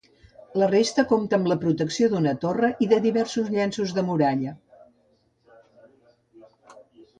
La resta compta amb la protecció d'una torre i de diversos llenços de muralla.